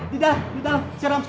di dalam di dalam